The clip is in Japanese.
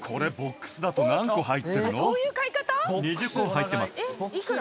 これ、２０個入ってます。